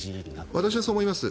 私はそう思います。